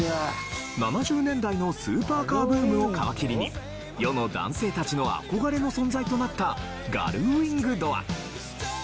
７０年代のスーパーカーブームを皮切りに世の男性たちの憧れの存在となったガルウィングドア。